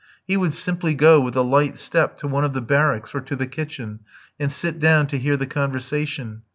He would simply go with a light step to one of the barracks or to the kitchen, and sit down to hear the conversation.